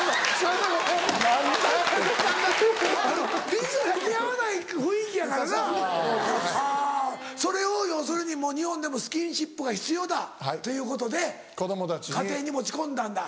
ビズが似合わない雰囲気やからなはっはぁそれを要するに日本でもスキンシップが必要だということで家庭に持ち込んだんだ。